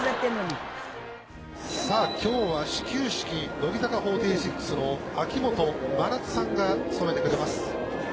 さあ今日は始球式乃木坂４６の秋元真夏さんが務めてくれます。